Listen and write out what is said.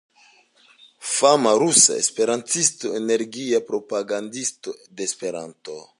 Fama rusa esperantisto, energia propagandisto de Esperanto.